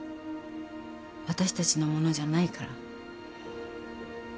私たちのものじゃないから。